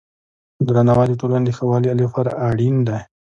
درناوی د ټولنې د ښه والي لپاره اړین دی.